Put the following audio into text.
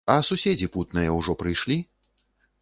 А суседзі путныя ўжо прыйшлі?